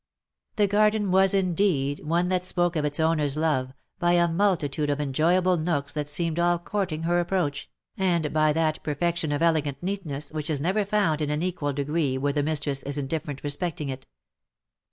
The garden was indeed one that spoke of its owner's love, by a multi tude of enjoyable nooks that seemed all courting her approach, and by that perfection of elegant neatness which is never found in an equal degree where the mistress is indifferent respecting it.